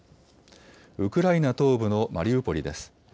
ウクライナ東部のマリウポリです。